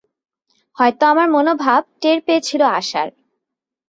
হয়তো আমার মনোভাব টের পেয়েছিল আশার।